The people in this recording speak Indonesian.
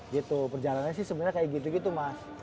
gitu perjalanannya sih sebenernya kayak gitu gitu mas